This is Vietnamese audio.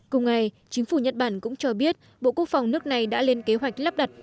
cùng ngày chính phủ nhật bản cũng cho biết bộ quốc phòng nước này đã lên kế hoạch lắp đặt